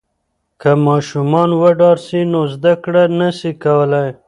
که ماشوم وډار سي نو زده کړه نسي کولای.